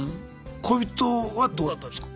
恋人はどうだったんすか？